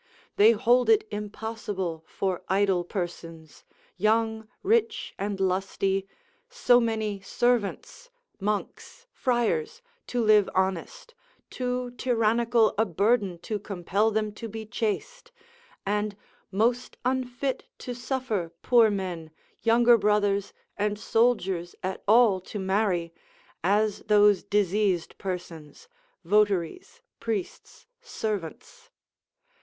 They hold it impossible for idle persons, young, rich, and lusty, so many servants, monks, friars, to live honest, too tyrannical a burden to compel them to be chaste, and most unfit to suffer poor men, younger brothers and soldiers at all to marry, as those diseased persons, votaries, priests, servants.